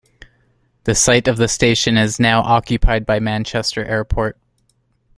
The site of the station is now occupied by Manchester Airport.